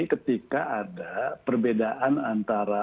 ketika ada perbedaan antara